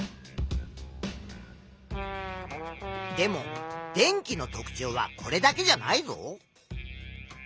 でも電気の特ちょうはこれだけじゃないぞ。